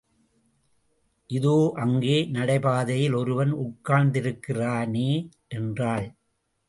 இதோ அங்கே நடைபாதையில் ஒருவன் உட்கார்ந்திருக்கிறானே! என்றாள்.